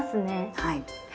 はい。